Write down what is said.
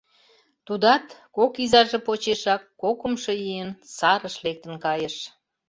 Тудат кок изаже почешак кокымшо ийын сарыш лектын кайыш.